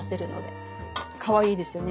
かわいいですよね。